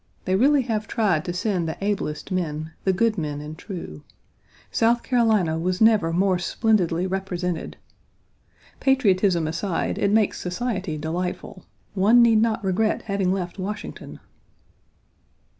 They really have tried to send the ablest men, the good men and true.) South Carolina was never more splendidly represented. Patriotism aside, it makes society delightful. One need not regret having left Washington.